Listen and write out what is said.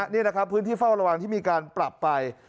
นี่นะครับพื้นที่เฝ้าระวังที่มีการปรับไป